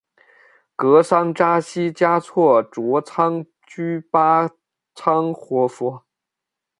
噶桑扎西嘉措卓仓居巴仓活佛。